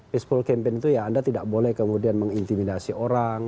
peaceful campaign itu ya anda tidak boleh kemudian mengintimidasi orang